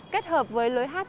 kết hợp với lối hát